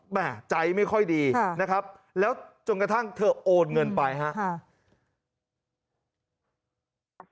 ไม่ใจไม่ค่อยดีแล้วจนกระทั่งเธอโอนเนื้อไปใช่ไหม